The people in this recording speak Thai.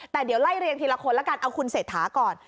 แต่เดี๋ยวไล่เรียงทีละคนละกันเอาคุณเศรษฐาก่อน